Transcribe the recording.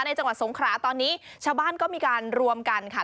จังหวัดสงขราตอนนี้ชาวบ้านก็มีการรวมกันค่ะ